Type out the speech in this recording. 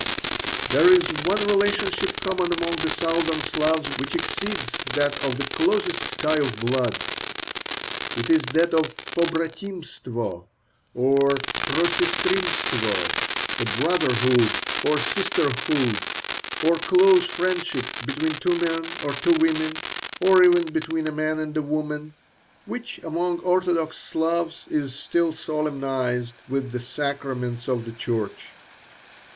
There is one relationship common among the southern Slavs which exceeds that of the closest tie of blood; it is that of probratimtsvo, or prosestrimtstvo, a brotherhood or sisterhood, or close friendship, between two men or two women, or even between a man and a woman, which among orthodox Slavs is still solemnized with the sacraments of the church.